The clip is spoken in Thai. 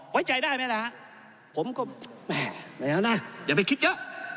ไว้ใจได้มั้ยนะฮะผมก็แหม่ไม่เอาหน้าอย่าไปคิดเยอะ